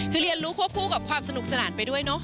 คือเรียนรู้ควบคู่กับความสนุกสนานไปด้วยเนอะ